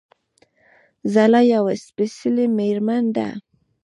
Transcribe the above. ځلا يوه سپېڅلې مېرمن ده